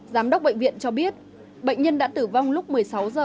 giám đốc bệnh viện cho biết bệnh nhân đã tử vong lúc một mươi sáu h